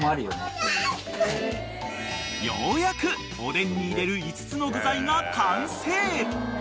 ［ようやくおでんに入れる５つの具材が完成］